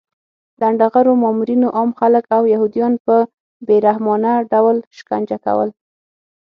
لنډغرو مامورینو عام خلک او یهودان په بې رحمانه ډول شکنجه کول